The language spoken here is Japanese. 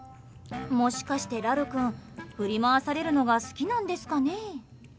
もしかして、ラル君振り回されるのが好きなんですかね。